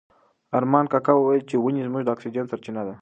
ارمان کاکا وویل چې ونې زموږ د اکسیجن سرچینه ده.